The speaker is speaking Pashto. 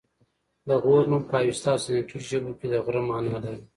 د غور نوم په اوستا او سنسګریت ژبو کې د غره مانا لري